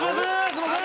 すいません。